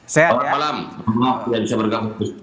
selamat malam maaf ya bisa bergabung